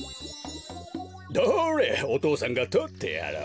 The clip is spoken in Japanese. どれお父さんがとってやろう。